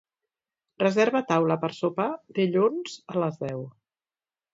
Reserva taula per sopar dilluns a les deu.